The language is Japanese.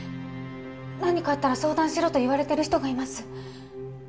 何かあったら相談しろと言われてる人がいます。